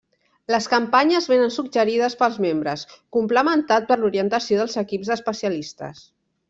Les campanyes vénen suggerides pels membres, complementat per l'orientació dels equips d'especialistes.